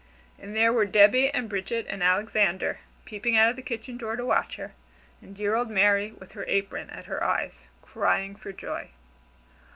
And there were Debby and Bridget and Alexander, peeping out of the kitchen door to watch her, and dear old Mary with her apron at her eyes crying for joy.